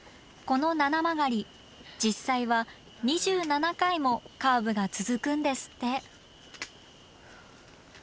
この七曲り実際は２７回もカーブが続くんですって。